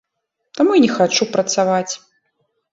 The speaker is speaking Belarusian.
Таму і не хачу працаваць.